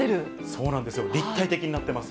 そうなんですよ、立体的になってます。